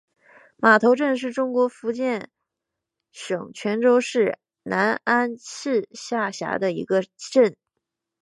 码头镇是中国福建省泉州市南安市下辖的一个镇。